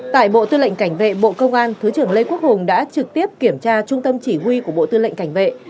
tại bộ tư lệnh cảnh vệ bộ công an thứ trưởng lê quốc hùng đã trực tiếp kiểm tra trung tâm chỉ huy của bộ tư lệnh cảnh vệ